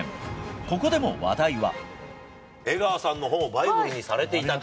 ここでも話題は。